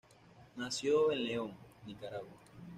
Nació en León, Nicaragua.